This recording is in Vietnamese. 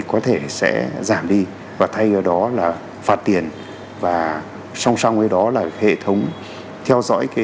có thể sẽ giảm đi và thay vào đó là phạt tiền và song song với đó là hệ thống theo dõi